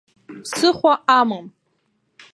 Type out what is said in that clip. Ԥсыхәа амам.